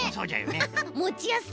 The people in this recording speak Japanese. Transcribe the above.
アハハッもちやすそう。